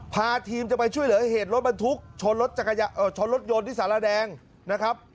พาทีมจะไปช่วยเหลือเหตุรถบรรทุกชนรถชนรถยนต์ที่สารแดงนะครับ